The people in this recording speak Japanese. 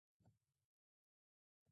歩く